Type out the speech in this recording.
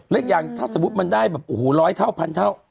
และอย่างถ้าสมมุติมันได้แบบโอ้โหร้อยเท่าพันเท่า